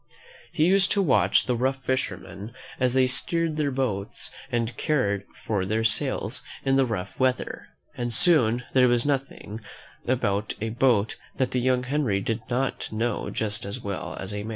He used to watch the rough fishermen as they steered their boats and cared for their sails in the rough weather, and soon there was nothing about a boat that the young Henry did not know just as well as a man.